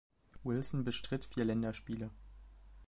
Wilson bestritt vier Länderspiele.